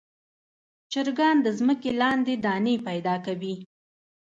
چرګان د ځمکې لاندې دانې پیدا کوي.